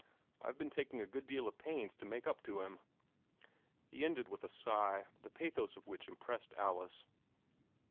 I've been taking a good deal of pains to make up to him." He ended with a sigh, the pathos of which impressed Alice.